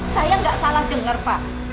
saya nggak salah dengar pak